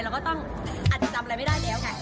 เราก็ต้องอาจจะจำอะไรไม่ได้เนี่ยค่ะ